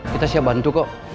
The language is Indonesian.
kita siap bantu kok